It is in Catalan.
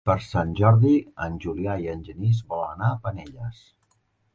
Per Sant Jordi en Julià i en Genís volen anar a Penelles.